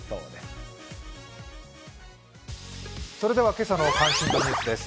今朝の関心度ニュースです。